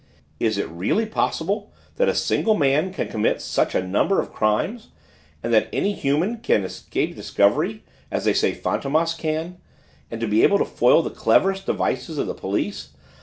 Is it really possible that a single man can commit such a number of crimes, and that any human being can escape discovery, as they say Fantômas can, and be able to foil the cleverest devices of the police?